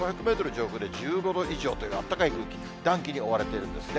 上空で１５度以上という、あったかい空気、暖気に覆われているんですね。